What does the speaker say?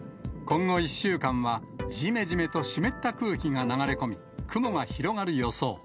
今後１週間は、じめじめと湿った空気が流れ込み、雲が広がる予想。